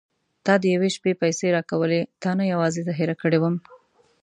تا د یوې شپې پيسې راکولې تا نه یوازې زه هېره کړې وم.